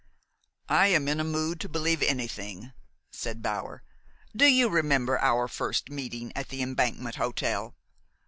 "I am in a mood to believe anything," said Bower. "Do you remember our first meeting at the Embankment Hotel?